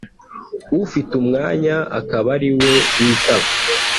ufite umwanya akaba ari we witaba